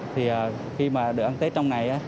thì khi mà được ăn tết trong này